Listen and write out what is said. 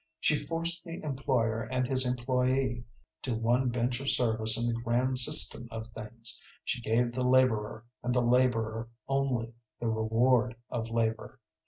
She forced the employer and his employé to one bench of service in the grand system of things; she gave the laborer, and the laborer only, the reward of labor.